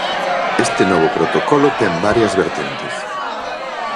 Este novo protocolo ten varias vertentes.